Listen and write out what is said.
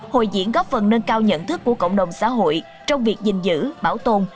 hội diễn góp phần nâng cao nhận thức của cộng đồng xã hội trong việc giữ bảo tồn